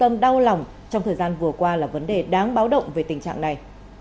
và cũng đau lòng trong thời gian vừa qua là vấn đề đáng báo động về tình trạng này